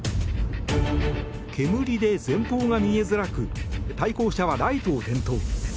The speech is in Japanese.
煙で前方が見えづらく対向車はライトを点灯。